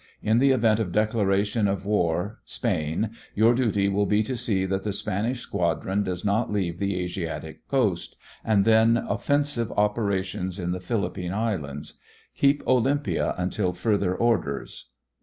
In the event of declaration of war, Spain, your duty will be to see that the Spanish Squadron does not leave the Asiatic coast, and then offensive operations in the Philippine Islands. Keep Olympia until further orders.